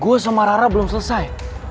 gue sama rara belum selesai